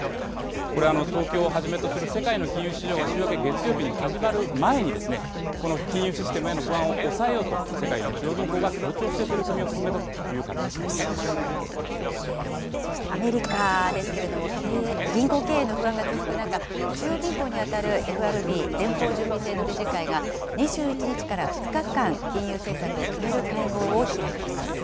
これは東京をはじめとする世界の金融市場が週明け月曜日に始まる前に、この金融システムへの不安を抑えようと、世界の中央銀行が協調して取り組みを進めたというそしてアメリカですけれども、銀行経営の不安が続く中、中央銀行に当たるＦＲＢ・連邦準備制度理事会が、２１日から２日間、金融政策を決める会合を開きます。